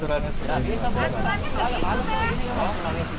tidak bisa tidak bisa